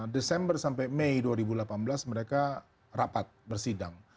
desember sampai mei dua ribu delapan belas mereka rapat bersidang